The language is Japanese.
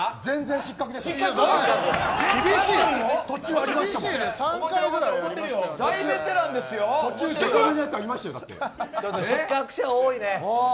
失格者、多いね。